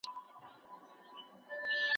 د خپل استاد څخه پوښتنې کوه.